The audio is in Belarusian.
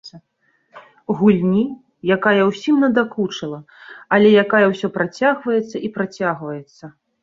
Гульні, якая ўсім надакучыла, але якая ўсё працягваецца і працягваецца.